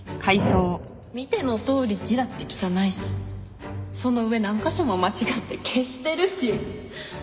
見てのとおり字だって汚いしその上何カ所も間違って消してるし。